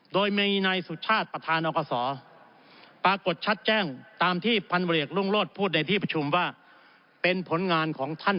โดยมีนายสุชาติประธานอกส